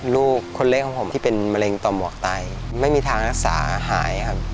ลูกคนเล็กของผมที่เป็นมะเร็งต่อหมอกไตไม่มีทางรักษาหายครับ